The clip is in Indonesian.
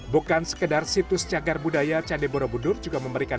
bukan sekedar situs jagar budaya candi borobudur juga memberikan